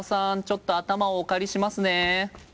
ちょっと頭をお借りしますね。